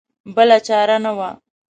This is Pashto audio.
بله چاره نه وه.